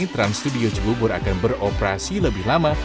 trans studio cibubur akan beroperasi lebih lama